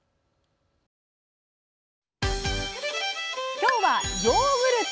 今日はヨーグルト！